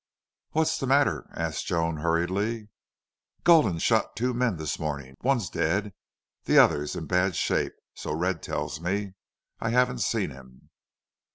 "What's the matter?" asked Joan, hurriedly. "Gulden shot two men this morning. One's dead. The other's in bad shape, so Red tells me. I haven't seen him."